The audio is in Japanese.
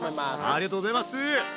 ありがとうございます！